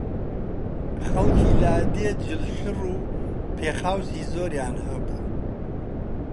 خەڵکی لادێ جلشڕ و پێخواسی زۆریان هەبوو